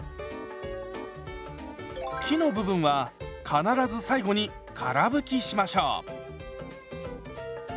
木の部分は必ず最後にから拭きしましょう。